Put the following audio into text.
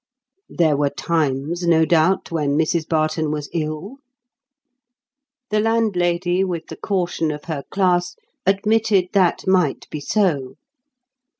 There were times, no doubt, when Mrs Barton was ill? The landlady with the caution of her class, admitted that might be so.